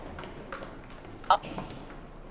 あっ。